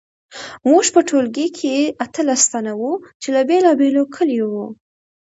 موږ په ټولګي کې اتلس تنه وو چې له بیلابیلو کلیو وو